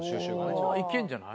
じゃあいけんじゃない？